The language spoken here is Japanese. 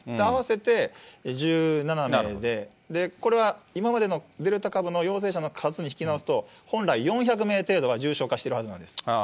合わせて１７名で、これは今までのデルタ株の陽性者の数に引き直すと、本来４００名程度が重症化してるはずなんです。